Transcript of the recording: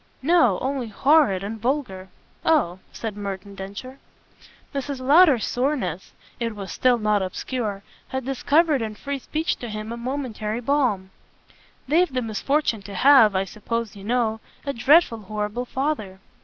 "No only horrid and vulgar." "Oh!" said Merton Densher. Mrs. Lowder's soreness, it was still not obscure, had discovered in free speech to him a momentary balm. "They've the misfortune to have, I suppose you know, a dreadful horrible father."